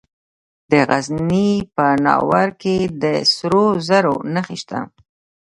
د غزني په ناوور کې د سرو زرو نښې شته.